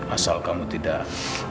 asal kamu tidak